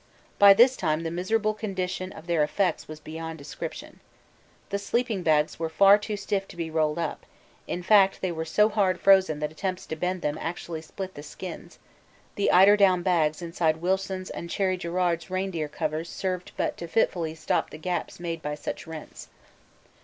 By this time the miserable condition of their effects was beyond description. The sleeping bags were far too stiff to be rolled up, in fact they were so hard frozen that attempts to bend them actually split the skins; the eiderdown bags inside Wilson's and C. G.'s reindeer covers served but to fitfully stop the gaps made by such rents.